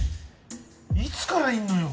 いつからいんのよ！？